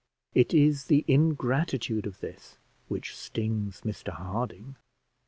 It is the ingratitude of this which stings Mr Harding.